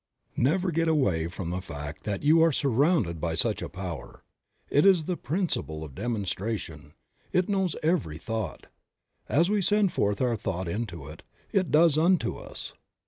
TVEVER get away from the fact that you are surrounded by such a power ; it is the principle of demonstration. It knows every thought. As we send forth our thought into it, it does unto us.